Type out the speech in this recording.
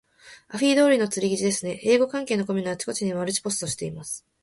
アフィ狙いの釣り記事ですね。英語関係のコミュのあちこちにマルチポストしています。